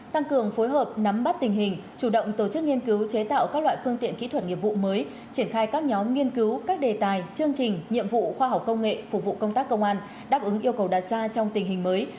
tăng cường phối hợp nắm bắt tình hình chủ động tổ chức nghiên cứu chế tạo các loại phương tiện kỹ thuật nghiệp vụ mới triển khai các nhóm nghiên cứu các đề tài chương trình nhiệm vụ khoa học công nghệ phục vụ công tác công an đáp ứng yêu cầu đạt ra trong tình hình mới